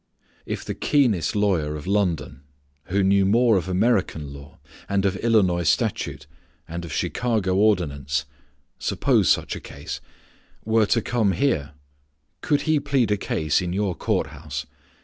If the keenest lawyer of London, who knew more of American law, and of Illinois statute and of Chicago ordinance suppose such a case were to come here, could he plead a case in your court house?